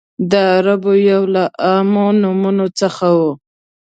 د عربو یو له عامو نومونو څخه و.